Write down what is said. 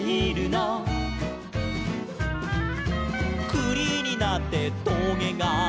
「くりになってとげが」